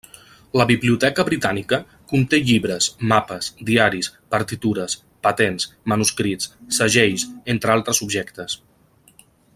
La Biblioteca Britànica conté llibres, mapes, diaris, partitures, patents, manuscrits, segells, entre altres objectes.